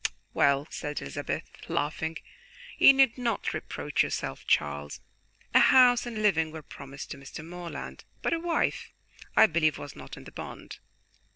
"Well," said Elizabeth, laughing, "you need not reproach yourself, Charles. A house and living were promised to Mr. Morland; but a wife, I believe, was not in the bond."